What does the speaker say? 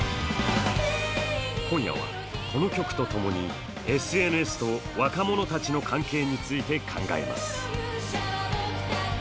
今夜は、この曲とともにＳＮＳと若者たちの関係について考えます。